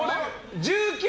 １９！